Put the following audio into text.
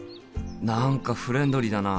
何かフレンドリーだな。